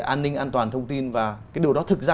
an ninh an toàn thông tin và cái điều đó thực ra